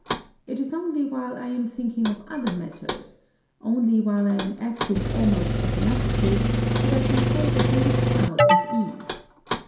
It is only while I am thinking of other matters, only while I am acting almost automatically, that I can thread a dense crowd with ease.